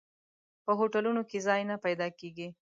په هوټلونو کې ځای نه پیدا کېږي.